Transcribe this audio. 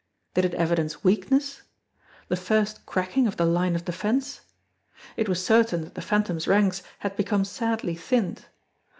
Did it evidence weakness? The first cracking of the line of defence? It was certain that the Phantom's ranks had become sadly thinned.